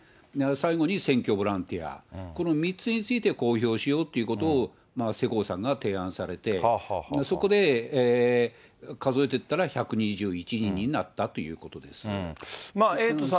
最後に選挙ボランティア、この３つについて公表しようということを世耕さんが提案されて、そこで数えていったら１２１人になったということです。